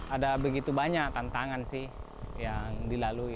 ada begitu banyak tantangan sih yang dilalui